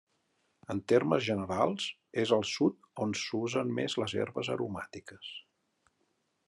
En termes generals, és al Sud on s'usen més les herbes aromàtiques.